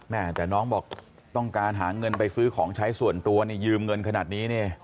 แม่แต่น้องบอกต้องการหาเงินไปซื้อของใช้ส่วนตัวนี่ยืมเงินขนาดนี้เนี่ย